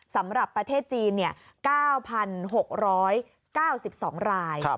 สำหรับประเทศจีน๙๖๙๒ราย